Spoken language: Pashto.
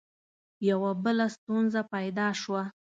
یوه بله ستونزه پیدا شوه.